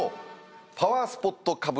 パワースポットかぶり